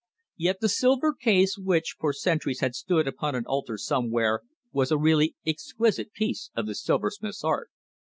Yet the silver case which, for centuries, had stood upon an altar somewhere, was a really exquisite piece of the silversmith's art.